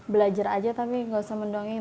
belajar aja tapi nggak usah mendongeng